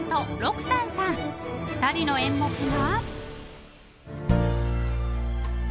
［２人の演目は］